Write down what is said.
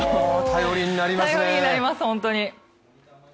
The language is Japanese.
頼りになります、ホントに。